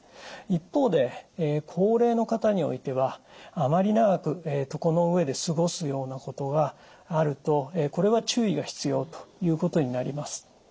一方で高齢の方においてはあまり長く床の上で過ごすようなことがあるとこれは注意が必要ということになります。